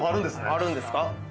あるんですか？